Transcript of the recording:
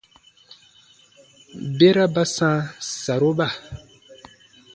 Bera ba sãa saroba.